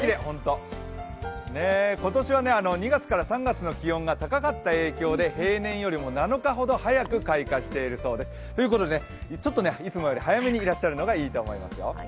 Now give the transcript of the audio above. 今年は２月から３月の気温が高かった影響で平年よりも７日ほど早く開花しているそうです。ということで、ちょっといつもより早めにいらっしゃるのがいいと思いますよ。